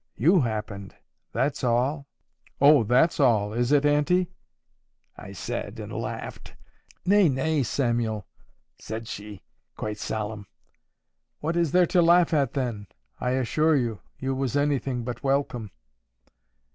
You happened. That's all.'—'Oh, that's all, is it, auntie?' I said, and laughed. 'Nay, nay, Samuel,' said she, quite solemn, 'what is there to laugh at, then? I assure you, you was anything but welcome.